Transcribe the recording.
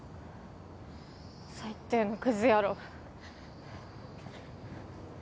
最低のクズ野郎。